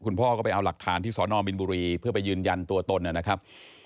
พ่อก็ไปเอาหลักฐานที่สอนอมบินบุรีเพื่อไปยืนยันตัวตนนะครับ